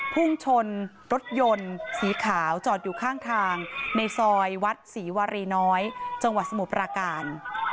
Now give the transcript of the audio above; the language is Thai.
พุ่งชนรถยนต์สีขาวจอดอยู่ข้างทางในซอยวัดศรีวารีน้อยจังหวัดสมุทรปราการ